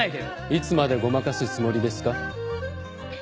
いつまでごまかすつもりですか？